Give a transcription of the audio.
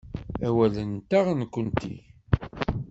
Awal-nteɣ, nekkenti.